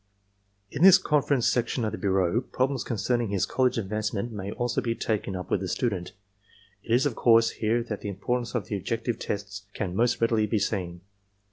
In this con 182 ARMY MENTAL TESTS ference section of the bureau, problems concerning his college advancement may also be taken up with the student. It is, of course, here that the importance of the objective tests can most readily be seen.